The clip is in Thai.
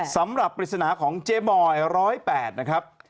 สำหรับลิศนาของเจ๊มอย๑๐๘นะครับ